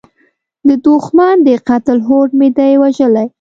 د دوښمن د قتل هوډ مې دی وژلی